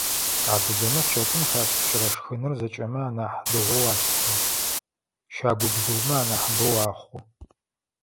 Адыгэмэ чэтым хашӏыкӏырэ шхыныр зэкӏэми анахь дэгъоу алъытэ, щагубзыумэ анахьыбэу ахъу.